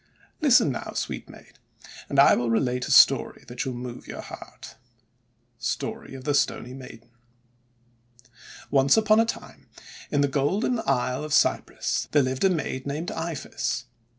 :< Listen, now, sweet Maid, and I will relate a story that shall move your heart: — Story of tJie Stony Maiden "Once upon a time, in the golden isle of Cyprus, there lived a maid named Iphis.